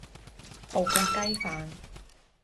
葡國雞飯